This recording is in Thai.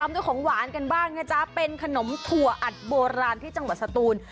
ด้วยของหวานกันบ้างนะจ๊ะเป็นขนมถั่วอัดโบราณที่จังหวัดสตูน